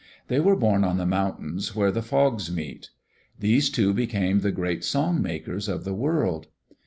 They were born on the mountains where the fogs meet. These two became the great song makers of the world.